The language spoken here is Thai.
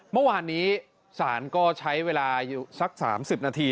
เมื่อวานนี้ศาลก็ใช้เวลาอยู่สัก๓๐นาที